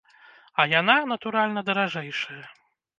А яна, натуральна, даражэйшая!